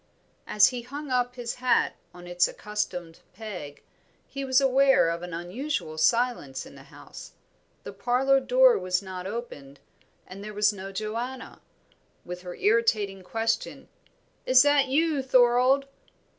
As he hung up his hat on its accustomed peg, he was aware of an unusual silence in the house. The parlour door was not opened, and there was no Joanna, with her irritating question, "Is that you, Thorold?"